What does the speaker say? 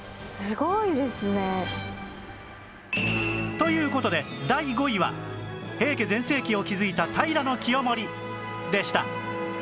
という事で第５位は平家全盛期を築いた平清盛でした